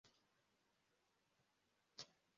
Imbwa ebyiri zihagarara mu gatuza